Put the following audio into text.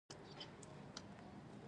منډه د ناسم عادتونو مخه نیسي